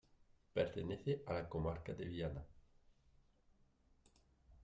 Pertenece a la comarca de Viana.